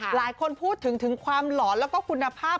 หลายคนพูดถึงความหล่อและคุณภาพ